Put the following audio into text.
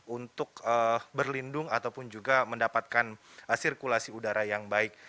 untuk berlindung ataupun juga mendapatkan sirkulasi udara yang baik